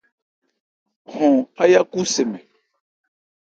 Hɔn áyákhu se mɛn.